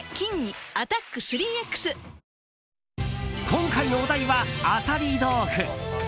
今回のお題は、アサリ豆腐。